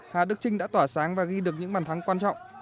hà đức trinh đã tỏa sáng và ghi được những bàn thắng quan trọng